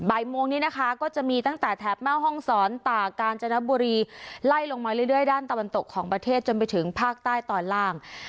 โมงนี้นะคะก็จะมีตั้งแต่แถบแม่ห้องศรตากาญจนบุรีไล่ลงมาเรื่อยด้านตะวันตกของประเทศจนไปถึงภาคใต้ตอนล่าง